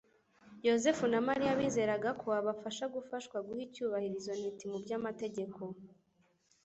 Yosefu na Mariya bizeraga ko abasha gufashwa guha icyubahiro izo ntiti muby'amategeko